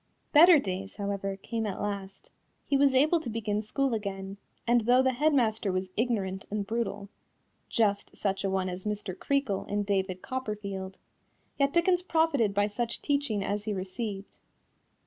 Better days, however, came at last. He was able to begin school again, and though the head master was ignorant and brutal (just such a one as Mr. Creakle in David Copperfield) yet Dickens profited by such teaching as he received.